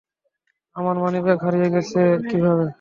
আমার মানিব্যাগ হারিয়ে গেছে কীভাবে?